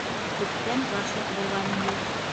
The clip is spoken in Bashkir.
Күптән ғашиҡ булғаның юҡ.